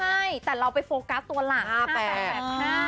ใช่แต่เราไปโฟกัสตัวหลัง